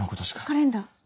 カレンダー。